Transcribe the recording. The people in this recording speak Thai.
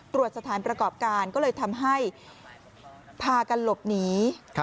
ตรวจสถานประกอบการก็เลยทำให้พากันหลบหนี